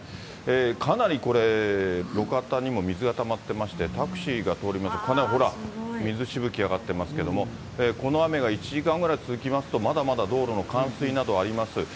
かなりこれ、路肩にも水がたまってまして、タクシーが通りますとかなりほら、水しぶき上がってますけど、この雨が１時間ぐらい続きますと、まだまだ道路の冠水などあります。